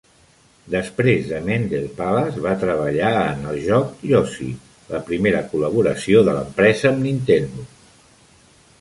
Després de "Mendel Palace", va treballar en el joc "Yoshi", la primera col·laboració de l'empresa amb Nintendo.